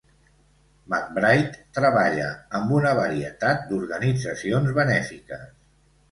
McBride treballa amb una varietat d'organitzacions benèfiques.